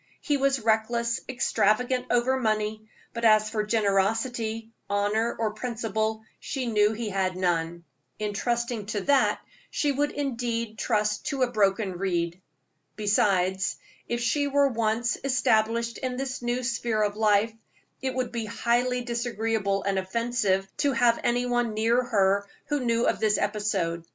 He was reckless, extravagant over money, but as for generosity, honor, or principle, she knew he had none. In trusting to that she would indeed trust to a broken reed. Besides, if she were once established in this new sphere of life, it would be highly disagreeable and offensive to have any one near her who knew of this episode.